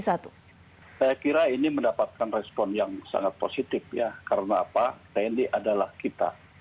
saya kira ini mendapatkan respon yang sangat positif ya karena apa tni adalah kita